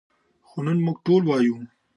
خو نن موږ ټول وایو.